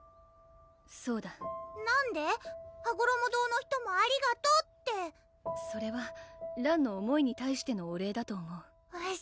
そうだなんで？はごろも堂の人も「ありがとう」ってそれはらんの思いに対してのお礼だと思うえっ？